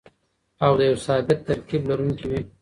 او د يو ثابت ترکيب لرونکي وي.